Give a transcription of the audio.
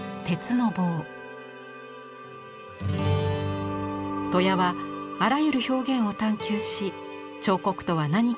戸谷はあらゆる表現を探求し彫刻とは何かを問い続けました。